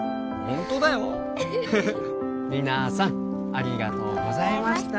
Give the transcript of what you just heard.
ホントだよ皆さんありがとうございました